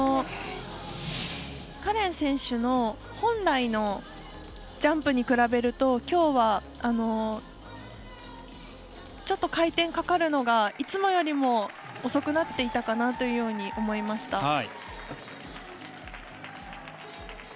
カレン選手の本来のジャンプに比べるときょうはちょっと回転かかるのがいつもよりも遅くなっていたかなと思いました。